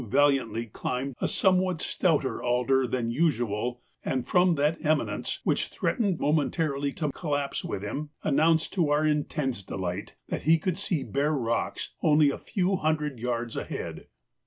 valiantly climbed a somewhat stouter alder than usual, and from that eminence, which threatened momentarily to collapse with him, announced, to our intense delight, that he could see bare rocks only a few hundred yards ahead.